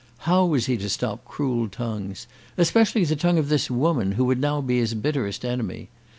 How was he to stop cruel tongues, especially the tongue of this woman, who would now be his bitterest enemy?